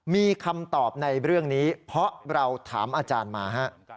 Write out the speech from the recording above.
มีคำตอบในเรื่องนี้เพราะเราถามอาจารย์มาฮะ